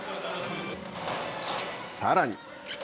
さらに。